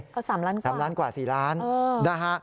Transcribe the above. ก็๓ล้านกว่า๔ล้านนะฮะ